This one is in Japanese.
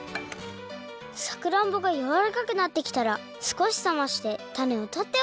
さくらんぼがやわらかくなってきたらすこしさましてたねをとっておきます。